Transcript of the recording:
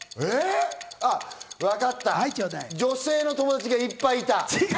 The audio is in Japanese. わかった、女性の友達がいっぱいいた。